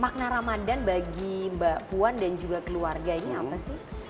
makna ramadhan bagi mbak puan dan juga keluarganya apa sih